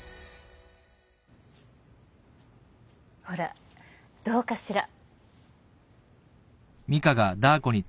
ほらどうかしら？